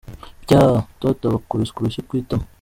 Pyaaaaaaaaa! Toto aba akubiswe urushyi ku itama.